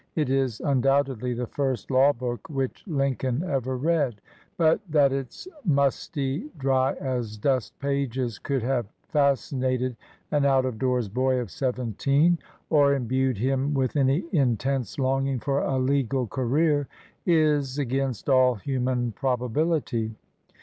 It is undoubtedly the first law book which Lincoln ever read; but that its musty, dry as dust pages could have fascinated an out of doors boy of seventeen, or imbued him with any intense longing for a legal career, is against all human probability.